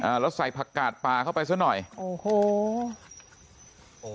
แล้วใส่ผักกาดปลาเข้าไปซะหน่อยโอ้โห